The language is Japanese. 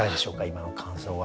今の感想は。